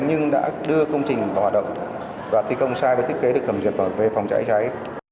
nhưng đã đưa công trình vào hoạt động và thi công sai với thiết kế được thẩm duyệt về phòng cháy cháy